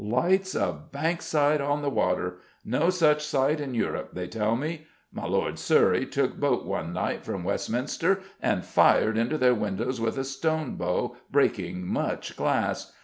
Lights of Bankside on the water ... no such sight in Europe, they tell me.... My Lord of Surrey took boat one night from Westminster and fired into their windows with a stone bow, breaking much glass